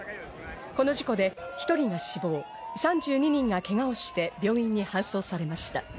この事故で１人が死亡、３２人がけがをして病院に搬送されました。